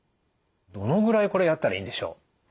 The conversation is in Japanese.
どのぐらいこれやったらいいんでしょう？